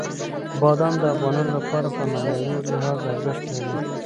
بادام د افغانانو لپاره په معنوي لحاظ ارزښت لري.